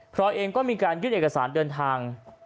เองก็มีการยื่นเอกสารเดินทาง